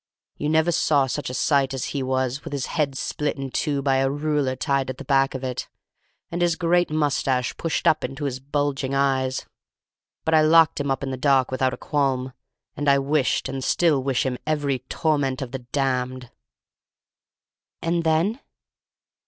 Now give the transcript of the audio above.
You never saw such a sight as he was, with his head split in two by a ruler tied at the back of it, and his great moustache pushed up into his bulging eyes. But I locked him up in the dark without a qualm, and I wished and still wish him every torment of the damned." "And then?"